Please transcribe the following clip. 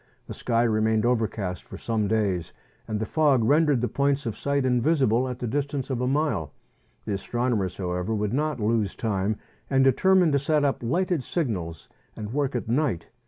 The sky remained overcast for some days, and the fog rendered the points of sight invisible at the distance of a mile. The astronomers, however, would not lose time, and determined to set up lighted signals and work at night.